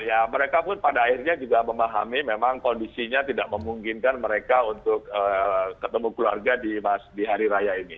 ya mereka pun pada akhirnya juga memahami memang kondisinya tidak memungkinkan mereka untuk ketemu keluarga di hari raya ini